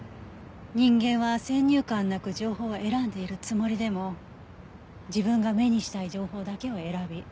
人間は先入観なく情報を選んでいるつもりでも自分が目にしたい情報だけを選び